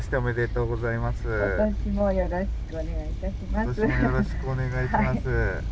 今年もよろしくお願いします。